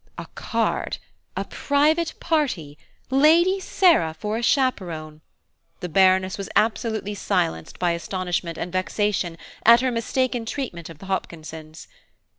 A card! a private party! Lady Sarah for a chaperone! the Baroness was absolutely silenced by astonishment and vexation at her mistaken treatment of the Hopkinsons.